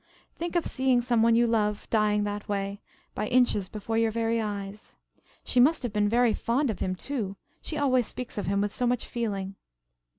Think of seeing some one you love dying that way, by inches before your eyes. She must have been very fond of him, too. She always speaks of him with so much feeling."